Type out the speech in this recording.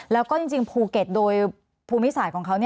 แล้วก็จริงภูเก็ตโดยภูมิศาสตร์ของเขา